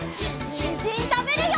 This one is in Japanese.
にんじんたべるよ！